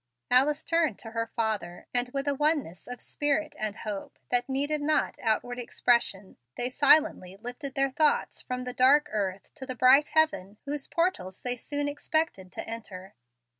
Alice turned to her father, and in close embrace and with a oneness of spirit and hope that needed not outward expression, they silently lifted their thoughts from the dark earth to the bright heaven whose portals they soon expected to enter.